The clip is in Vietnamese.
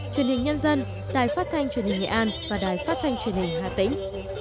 truyền hình nhân dân đài phát thanh truyền hình nghệ an và đài phát thanh truyền hình hà tĩnh